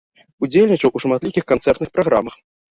Удзельнічаў у шматлікіх канцэртных праграмах.